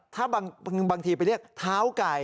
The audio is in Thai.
ถ้าบางทีไปเรียกเท้าไก่